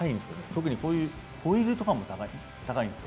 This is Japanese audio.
特にホイールとかも高いんです。